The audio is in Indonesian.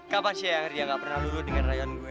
kapan sih eyang ria gak pernah lulut dengan rayuan gue